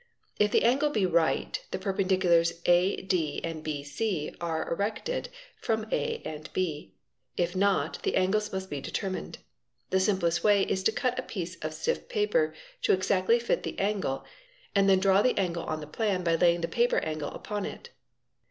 If the angle be right | the perpendiculars ad and bc are srected, from aand b. If not, the | Ba angles must be determined. The Sch| © simplest way is to cut a piece of s" stiff paper to exactly fit the angle, ; eat 4 and then draw the angle on the @ plan by laying the paper angle upon Fig. 78. "it.